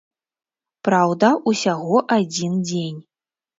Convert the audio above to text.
Праўда, усяго адзін дзень.